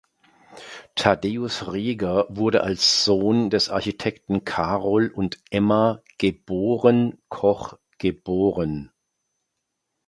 Tadeusz Reger wurde als Sohn des Architekten Karol und Emma geboren Koch geboren.